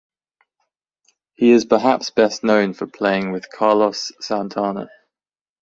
He is perhaps best known for playing with Carlos Santana.